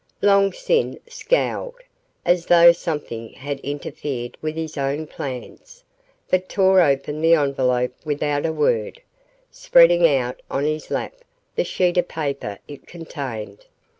Long Sin scowled, as though something had interfered with his own plans, but tore open the envelope without a word, spreading out on his lap the sheet of paper it contained.